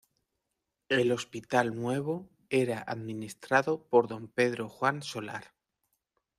El Hospital nuevo era administrado por don Pedro Juan Solar.